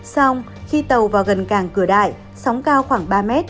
xong khi tàu vào gần càng cửa đại sóng cao khoảng ba m